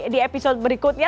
di episode berikutnya